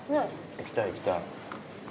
行きたい行きたい。